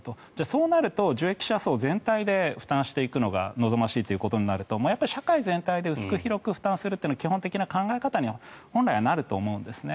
そうなると受益者層全体で負担していくのが望ましいということになると社会全体で薄く広く負担するというのが基本的な考え方には本来はなると思うんですね。